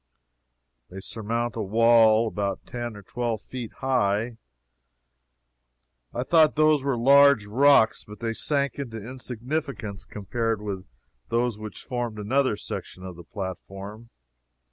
They surmount a wall about ten or twelve feet high. I thought those were large rocks, but they sank into insignificance compared with those which formed another section of the platform.